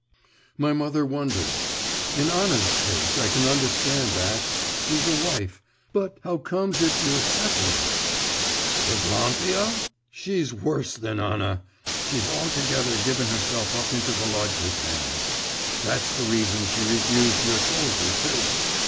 My mother wondered. 'In Anna's case I can understand that; she's a wife.… But how comes it your second.…' 'Evlampia? She's worse than Anna! She's altogether given herself up into Volodka's hands. That's the reason she refused your soldier, too.